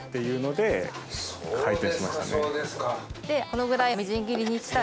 このぐらいみじん切りにしたら。